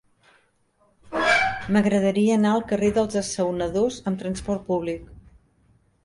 M'agradaria anar al carrer dels Assaonadors amb trasport públic.